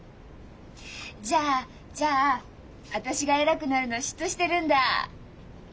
じゃあじゃあ私が偉くなるの嫉妬してるんだ。